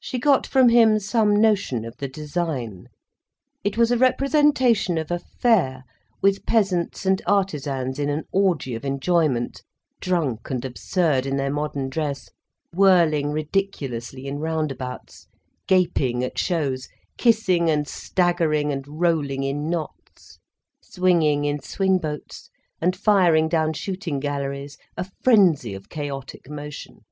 She got from him some notion of the design. It was a representation of a fair, with peasants and artisans in an orgy of enjoyment, drunk and absurd in their modern dress, whirling ridiculously in roundabouts, gaping at shows, kissing and staggering and rolling in knots, swinging in swing boats, and firing down shooting galleries, a frenzy of chaotic motion.